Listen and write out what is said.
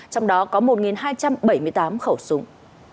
trong đó có một hai trăm bảy mươi tám khẩu súng